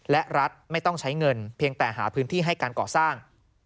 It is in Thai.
และรัฐไม่ต้องใช้เงินเพียงแต่หาพื้นที่ให้การก่อสร้าง